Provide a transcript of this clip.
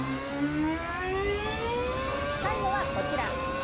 最後は、こちら。